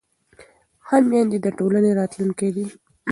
ښه میندې د ټولنې راتلونکی دي.